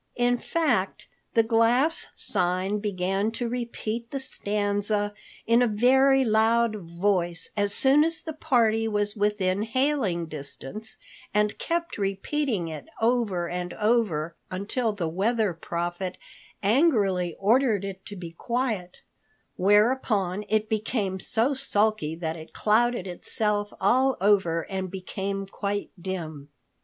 In fact, the glass sign began to repeat the stanza in a very loud voice as soon as the party was within hailing distance, and kept repeating it over and over until the Weather Prophet angrily ordered it to be quiet, whereupon it became so sulky that it clouded itself all over and became quite dim.